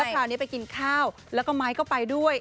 คราวนี้ไปกินข้าวแล้วก็ไม้ก็ไปด้วย